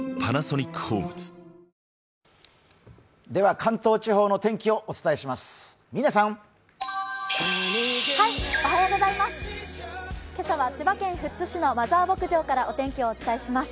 関東地方の天気をお伝えします。